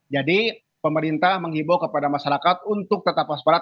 jadi pemerintah menghimbau kepada masyarakat untuk tetap puas parah